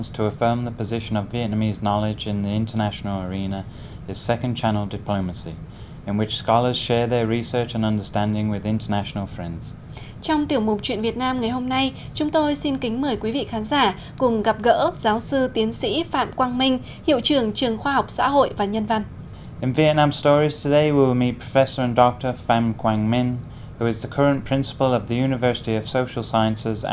trong tiểu mục chuyện việt nam ngày hôm nay chúng tôi xin kính mời quý vị khán giả cùng gặp gỡ giáo sư tiến sĩ phạm quang minh hiệu trưởng trường khoa học xã hội và nhân văn